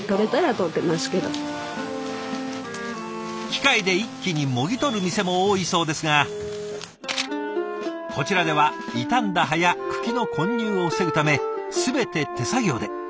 機械で一気にもぎ取る店も多いそうですがこちらでは傷んだ葉や茎の混入を防ぐため全て手作業で。